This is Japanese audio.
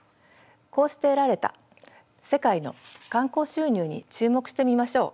こうして得られた世界の観光収入に注目してみましょう。